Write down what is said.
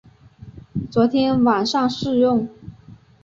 昨天晚上试用